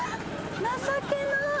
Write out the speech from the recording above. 情けなっ。